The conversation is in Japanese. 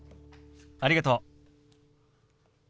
ありがとう。